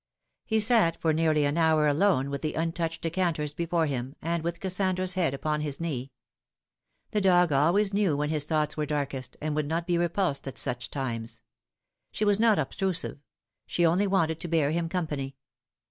He sat for nearly an hour alone with the untouched decanters before him, and with Kassandra's head upon his knee. The dog always knew when his thoughts were darkest, and would not be repulsed at such times. She was not obtrusive : she only wanted to bear him company.